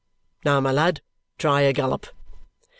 Now, my lad, try a gallop!"